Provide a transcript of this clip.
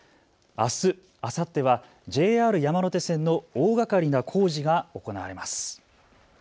あす、あさってはＪＲ山手線の大がかりな工事が行われます。